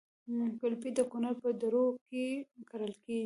ګلپي د کونړ په درو کې کرل کیږي